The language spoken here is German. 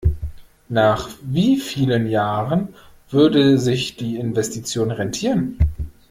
Nach wie vielen Jahren würde sich die Investition rentieren?